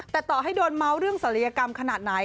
แต่ต่อให้โดนเมาส์เรื่องศัลยกรรมขนาดไหน